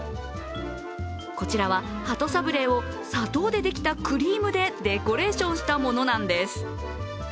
こちらは、鳩サブレーを砂糖でできたクリームでデコレーションしたものなんです。